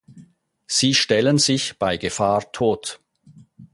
Sie stellen sich bei Gefahr tot.